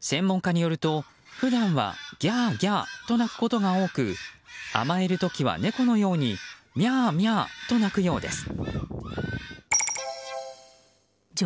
専門家によると普段はギャーギャーと鳴くことが多く甘えるときは猫のようにミャーミャーと鳴くようです。